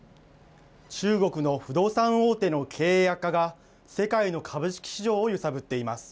中国の不動産大手の経営悪化が世界の株式市場を揺さぶっています。